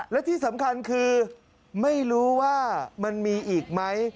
และที่สำคัญคือไม่รู้ว่ามันมีอีกไหม